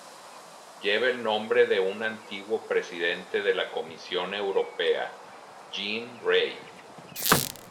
Lleva el nombre de un antiguo Presidente de la comisión europea, Jean Rey.